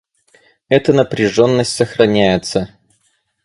Эта напряженность сохраняется.